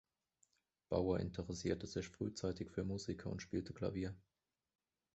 Bauer interessierte sich frühzeitig für Musik und spielte Klavier.